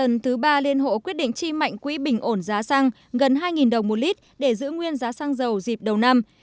liên bộ công thương và liên hộ quyết định tri mạnh quỹ bình ổn giá xăng gần hai đồng một lít để giữ nguyên giá xăng dầu dịp đầu năm